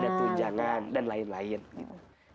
ada tunjangan dan lain lain gitu